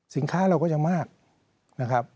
สินค้าเราก็จะมากนะครับ